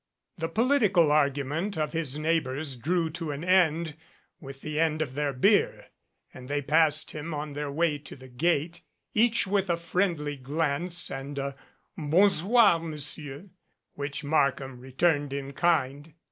The political argument of his neighbors drew to an 120 THE "FAIRY GODMOTHER end with the end of their beer and they passed him on their way to the gate, each with a friendly glance and a "Bon soir, Monsieur" which Markham returned in kind.